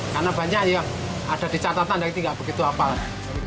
karena banyak yang ada di catatan tapi tidak begitu apal